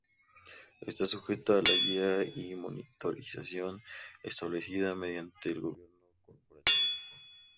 Está sujeta a la guia y monitorización establecida mediante el gobierno corporativo.